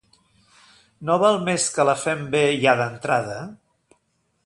No val més que la fem bé ja d’entrada?